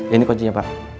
ini koncinya pak